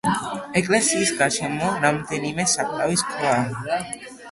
ეკლესიის გარშემო რამდენიმე საფლავის ქვაა.